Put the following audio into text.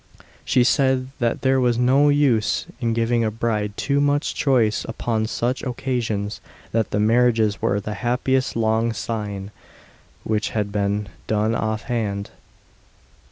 She said "that there was no use in giving a bride too much choice upon such occasions; that the marriages were the happiest long syne which had been done offhand."